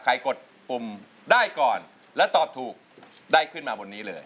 กดปุ่มได้ก่อนและตอบถูกได้ขึ้นมาบนนี้เลย